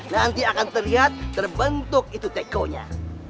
nanti akan terlihat terbentuk itu tekonya